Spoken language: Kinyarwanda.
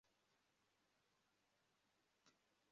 Abasore babiri bashiraho tile ahari ahari ubwiherero